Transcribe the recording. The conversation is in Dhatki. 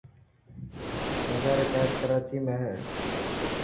مزار قائد ڪراچي ۾ هي.